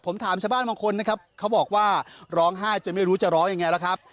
ผมถามชาวบ้านบางคนนะครับเขาบอกว่าร้องไห้จนไม่รู้จะร้องยังไงล่ะครับ